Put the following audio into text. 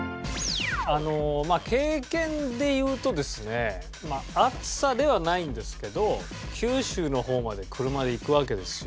あのまあ経験でいうとですねまあ熱さではないんですけど九州の方まで車で行くわけですよ